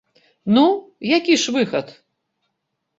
Ну, які ж выхад?!